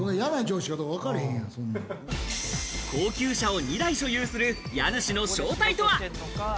高級車を２台所有する家主の正体とは？